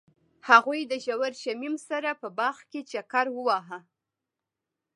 هغوی د ژور شمیم سره په باغ کې چکر وواهه.